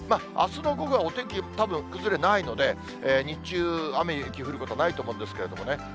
あすの午後はお天気、たぶん崩れないので、日中、雨、雪降ることないと思うんですけれどもね。